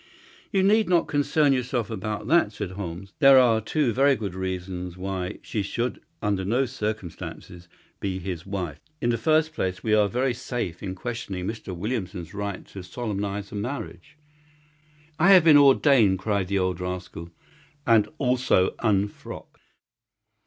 "You need not concern yourself about that," said Holmes. "There are two very good reasons why she should under no circumstances be his wife. In the first place, we are very safe in questioning Mr. Williamson's right to solemnize a marriage." "I have been ordained," cried the old rascal. "And also unfrocked."